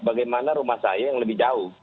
bagaimana rumah saya yang lebih jauh